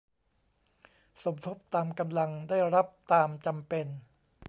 สมทบตามกำลัง ได้รับตามจำเป็น